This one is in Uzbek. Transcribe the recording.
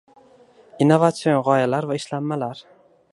Innovatsion g‘oyalar va ishlanmalar